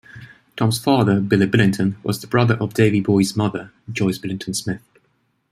Tom's father, Billy Billington, was the brother of Davey Boy's mother, Joyce Billington Smith.